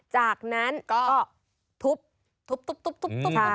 จากนั้นก็ทุบ